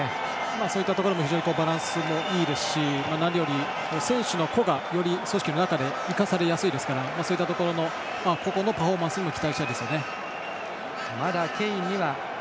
そういったところも非常にバランスがいいですし何より選手の個がより組織の中で生かされやすいのでそういう個々のパフォーマンスも期待したいですよね。